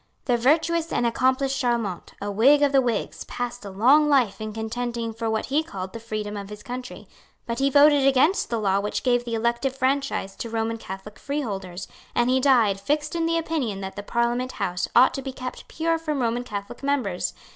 The virtuous and accomplished Charlemont, a Whig of the Whigs, passed a long life in contending for what he called the freedom of his country. But he voted against the law which gave the elective franchise to Roman Catholic freeholders; and he died fixed in the opinion that the Parliament House ought to be kept pure from Roman Catholic members.